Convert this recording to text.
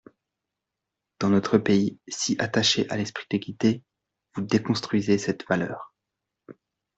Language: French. Dans notre pays, si attaché à l’esprit d’équité, vous déconstruisez cette valeur.